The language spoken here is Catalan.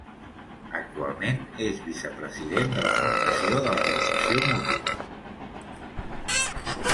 Actualment és vicepresident de la Fundació de l'Agrupació Mútua.